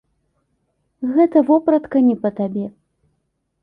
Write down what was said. Гэта вопратка не па табе.